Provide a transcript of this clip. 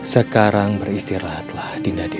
sekarang beristirahatlah dinda dewi